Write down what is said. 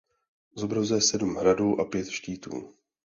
Zobrazuje sedm hradů a pět štítů.